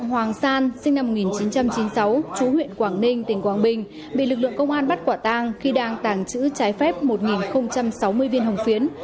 hoàng san sinh năm một nghìn chín trăm chín mươi sáu chú huyện quảng ninh tỉnh quảng bình bị lực lượng công an bắt quả tang khi đang tàng trữ trái phép một sáu mươi viên hồng phiến